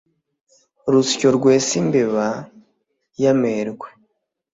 rusyo rwesa imbeba y'amerwe